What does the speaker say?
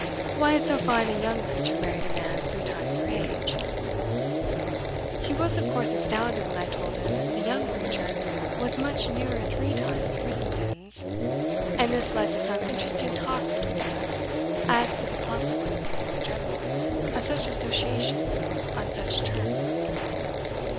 Why had so fine a young creature married a man three times her age? He was of course astounded when I told him the young creature was much nearer three times Brissenden's, and this led to some interesting talk between us as to the consequences, in general, of such association on such terms.